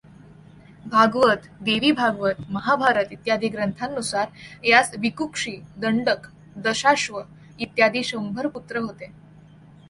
भागवत, देवी भागवत, महाभारत इत्यादी ग्रंथांनुसार यास विकुक्षी, दण्डक, दशाश्व इत्यादी शंभर पुत्र होते.